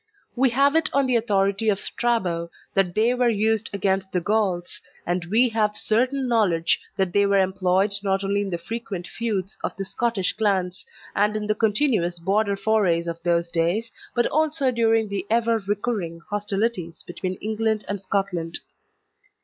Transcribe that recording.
We have it on the authority of Strabo that they were used against the Gauls, and we have certain knowledge that they were employed not only in the frequent feuds of the Scottish clans, and in the continuous border forays of those days, but also during the ever recurring hostilities between England and Scotland.